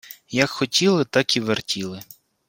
Як хотіли – так і вертіли